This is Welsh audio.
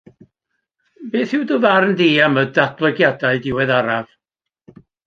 Beth yw dy farn di am y datblygiadau diweddaraf?